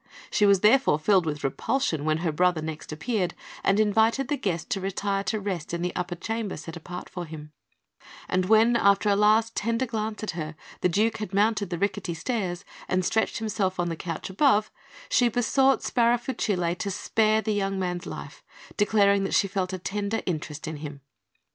She was therefore filled with repulsion when her brother next appeared and invited the guest to retire to rest in the upper chamber set apart for him; and when, after a last tender glance at her, the Duke had mounted the rickety stairs and stretched himself on the couch above, she besought Sparafucile to spare the young man's life, declaring she felt a tender interest in him.